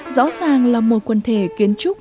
rõ ràng là một quần thể kiến trúc